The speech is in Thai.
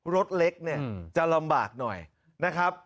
รถเล็กเนี่ยจะลำบากหน่อยนะครับ